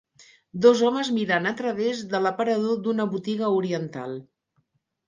Dos homes mirant a través de l'aparador d'una botiga oriental.